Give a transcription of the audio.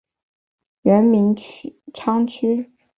原名昌枢。